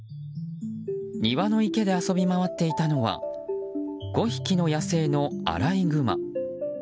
庭の池で遊びまわっていたのは５匹の野生のアライグマ。